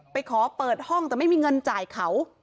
ไปขอเปิดห้องแต่ไม่มีเงินจ่ายเขา